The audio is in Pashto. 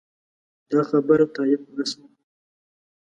دا خبره تایید نه شوه.